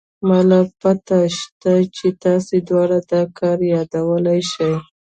ما له پته شتې چې تاسې دواړه دا کار يادولې شې.